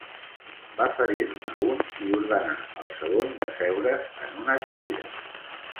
Va ferir-ne un i ordenà al segon d'asseure's en una cadira.